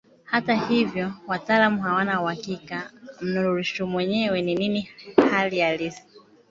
Hata hivyo wataalamu hawana uhakika mnururisho mwenyewe ni nini hali halisi.